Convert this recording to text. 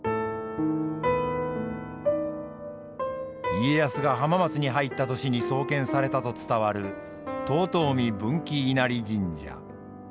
家康が浜松に入った年に創建されたと伝わる遠江分器稲荷神社。